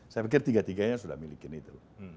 saya pikir tiga tiganya sudah milikin itu